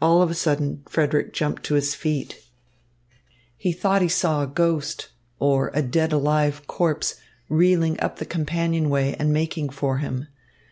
All of a sudden Frederick jumped to his feet; he thought he saw a ghost, or a dead alive corpse, reeling up the companionway and making for him.